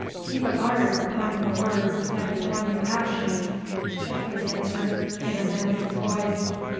'Keep a guard upon your words and upon your actions?' Jeffreys answered, in a menacing voice.